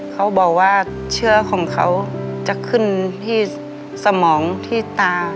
เขาบอกว่าเชื้อของเขาจะขึ้นที่สมองที่ตา